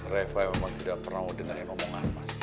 reva emang tidak pernah dengerin omongan mas